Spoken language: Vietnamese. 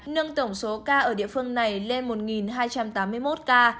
nâng tổng số ca ở địa phương này lên một hai trăm tám mươi một ca